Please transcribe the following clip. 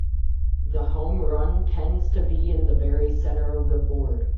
The home run tends to be in the very center of the board.